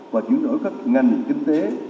và chủ đổi các ngành kinh tế